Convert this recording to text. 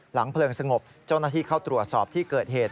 เพลิงสงบเจ้าหน้าที่เข้าตรวจสอบที่เกิดเหตุ